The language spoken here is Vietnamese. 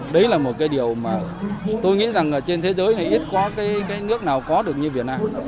đấy là một cái điều mà tôi nghĩ rằng trên thế giới này ít có cái nước nào có được như việt nam